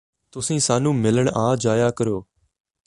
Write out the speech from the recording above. ਤੁਸੀਂ ਸਾਨੂੰ ਮਿਲਣ ਆ ਜਾਇਆ ਕਰੋ